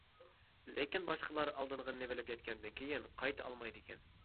لېكىن باشقىلار ئالدانغىنىنى بىلىپ يەتكەندىن كېيىن قايتا ئالمايدىكەن.